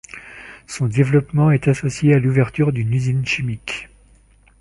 Son développement est associé à l'ouverture d'une usine chimique.